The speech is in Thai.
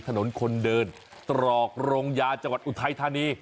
ถนนคนเดินตรอกโรงยาจังหวัดอุทัยธานี